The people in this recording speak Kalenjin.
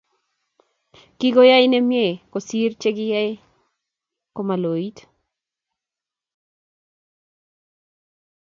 Kigoyei nemnyei kosiir chekigayei komaloit